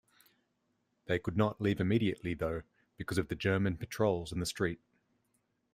They could not leave immediately, though, because of the German patrols in the street.